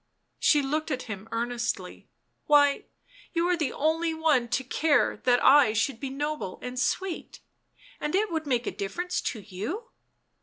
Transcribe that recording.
She looked at him earnestly. " Why — you are the only one to care that I should be noble and sweet. And it would make a difference to you